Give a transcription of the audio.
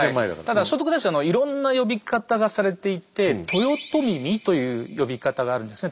ただ聖徳太子はいろんな呼び方がされていて「豊聡耳」という呼び方があるんですね。